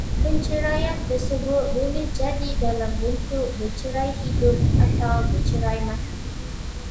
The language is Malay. Perceraian tersebut boleh jadi dalam bentuk bercerai hidup atau bercerai mati